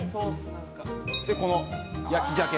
この焼き鮭。